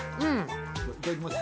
じゃいただきます。